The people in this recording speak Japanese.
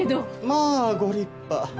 まあご立派。